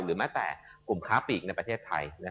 แม้แต่กลุ่มค้าปีกในประเทศไทย